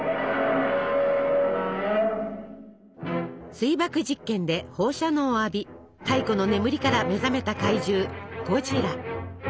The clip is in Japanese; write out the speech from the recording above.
水爆実験で放射能を浴び太古の眠りから目覚めた怪獣ゴジラ。